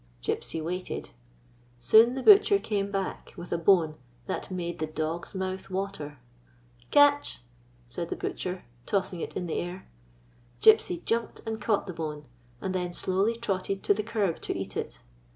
Gypsy waited. Soon the butcher came back with a bone that made the dog's mouth water. " Catch !" said the butcher, tossing it in the air. Gypsy jumped and caught the bone, and then slowly trotted to the curb to eat it.